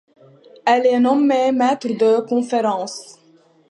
Elle est nommée maître de conférences.